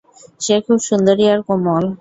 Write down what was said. সে খুব সুন্দরী আর কোমল।